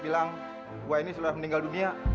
bilang bu aini sudah meninggal dunia